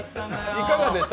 いかがでした？